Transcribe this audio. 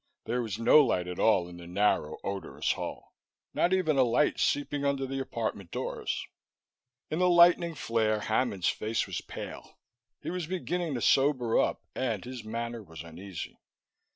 There was no light at all in the narrow, odorous hall; not even a light seeping under the apartment doors. In the lightning flare, Hammond's face was pale. He was beginning to sober up, and his manner was uneasy.